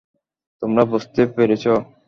তোমরা বুঝতে পেরেছ?